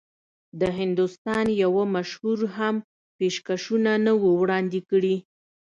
د هندوستان یوه مشر هم پېشکشونه نه وو وړاندي کړي.